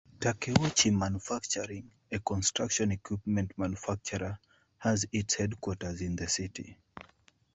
Takeuchi Manufacturing, a construction equipment manufacturer, has its headquarters in the city.